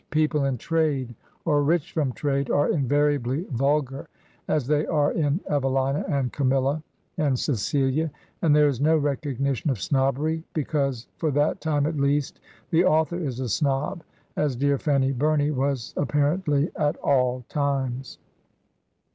People in trade, or rich from trade, are invariably vul gar, as they are in "Evelina" and "Camilla" and "Cecilia," and there is no recognition of snobbery, be cause for that time, at least, the author is a snob, as dear Fanny Bumey was apparently at all times. 82 Digitized by VjOOQIC HEROINES OF MRS.